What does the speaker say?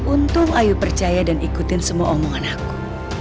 untung ayo percaya dan ikutin semua omongan aku